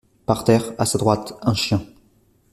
Par terre, à sa droite, un chien.